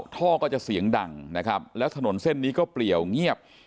ท่อก็จะเสียงดังนะครับแล้วถนนเส้นนี้ก็เปลี่ยวเงียบ